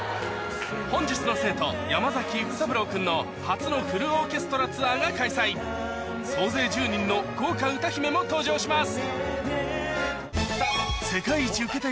本日の生徒山崎育三郎君の初のフルオーケストラツアーが開催総勢１０人の豪華歌姫も登場します